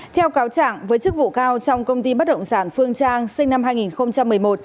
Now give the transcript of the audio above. theo cáo trạng với chức vụ cao trong công ty bất động sản phương trang sinh năm hai nghìn một mươi một